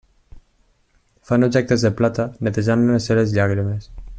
Fan objectes de plata netejant-la amb les seves llàgrimes.